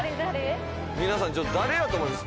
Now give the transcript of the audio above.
皆さん誰やと思います？